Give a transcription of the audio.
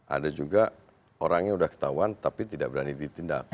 ada juga orangnya sudah ketahuan tapi tidak berani ditindak